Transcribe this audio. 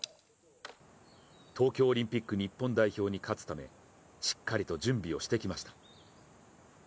東京オリンピック日本代表に勝つためしっかりと準備をしてきました。